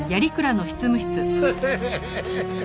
ハハハハハ！